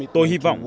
tôi hy vọng